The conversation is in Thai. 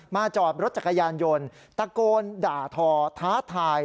จอดรถจักรยานยนต์ตะโกนด่าทอท้าทาย